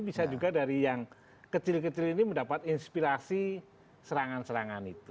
bisa juga dari yang kecil kecil ini mendapat inspirasi serangan serangan itu